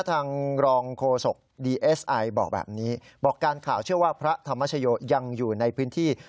ทางรองโฆษกดีเอสไอบอกแบบนี้บอกการข่าวเชื่อว่าพระธรรมชโยยังอยู่ในพื้นที่